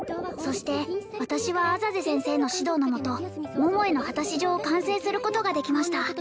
そして私は浅瀬先生の指導の下桃への果たし状を完成することができました